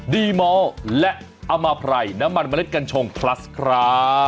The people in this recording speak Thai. ดีมอลและอมาไพรน้ำมันเมล็ดกัญชงพลัสครับ